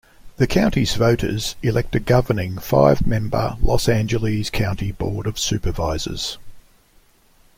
The county's voters elect a governing five-member Los Angeles County Board of Supervisors.